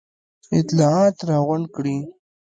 اطلاعات را غونډ کړي.